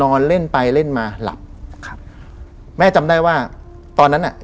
นอนเล่นไปเล่นมาหลับครับแม่จำได้ว่าตอนนั้นอ่ะ